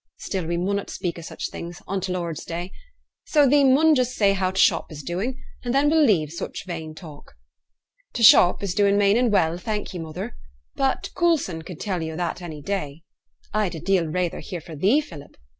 Still we munnot speak o' such things on t' Lord's day. So thee mun just say how t' shop is doing, and then we'll leave such vain talk.' 'T' shop is doing main an' well, thank ye, mother. But Coulson could tell yo' o' that any day.' 'I'd a deal rayther hear fra' thee, Philip.